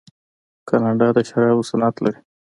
کاناډا د شرابو صنعت لري.